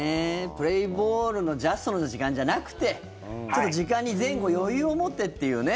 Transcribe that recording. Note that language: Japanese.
プレーボールのジャストの時間じゃなくてちょっと時間に前後、余裕を持ってっていうね。